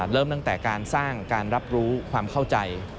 เริ่มตั้งแต่การสร้างการรับรู้ความเข้าใจ